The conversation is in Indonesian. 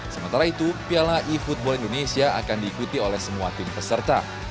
sementara itu piala e football indonesia akan diikuti oleh semua tim peserta